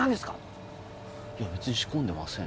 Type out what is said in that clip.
「いやべつに仕込んでません」